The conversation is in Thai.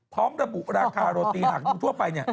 พร้อมระบุราคาโรตีหลักดูทั่วไป